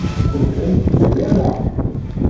Tebdamt-d aya, naɣ?